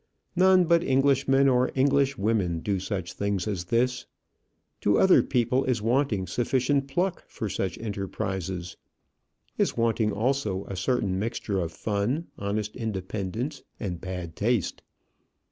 None but Englishmen or Englishwomen do such things as this. To other people is wanting sufficient pluck for such enterprises; is wanting also a certain mixture of fun, honest independence, and bad taste.